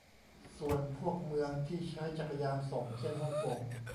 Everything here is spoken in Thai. ส่วนพวกเมืองที่ใช้จักรยานส่ง เช่นฮ่องกง